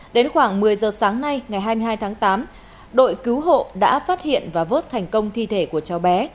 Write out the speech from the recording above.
đến khoảng một mươi giờ sáng nay ngày hai mươi hai tháng tám đội cứu hộ đã phát hiện và vớt thành công thi thể của cháu bé